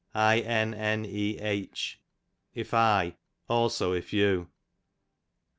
Inneh, if I ; also if you.